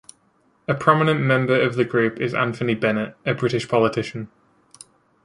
A prominent member of the group is Anthony Bennett, a British politician.